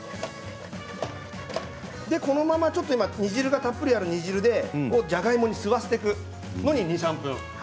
このまま、今、たっぷりある煮汁をじゃがいもに吸わせていくのに２、３分。